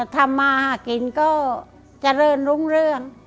ทำมาหากินก็เจริญรุ่งเรื่อง